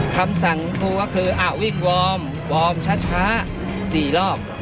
คำสั่งครูก็คืออ้าววิ่งวอร์มวอร์มช้าช้าสี่รอบ